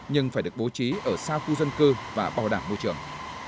nhưng phải được bố trí ở xa khu dân cư và bảo đảm môi trường